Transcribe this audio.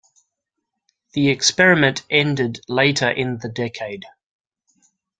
The experiment ended later in the decade.